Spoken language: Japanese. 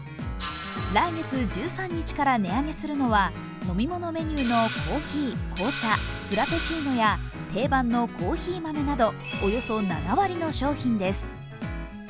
来月１３日から値上げするのは飲み物メニューのコーヒー紅茶、フラペチーノや定番のコーヒー豆などおよそ７割の商品です。